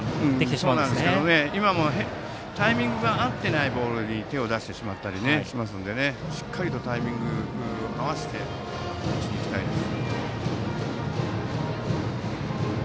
そうなんですが今もタイミングが合ってないボールに手を出してしまったりしますのでしっかりとタイミングを合わせて打ちに行きたいです。